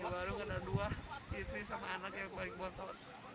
warung ada dua istri sama anak yang balik botol